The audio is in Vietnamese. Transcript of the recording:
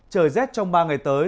trời rét trong ba ngày tới